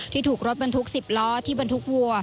ที่ถูกรถบันทุก๑๐ล้อที่บันทุกวัว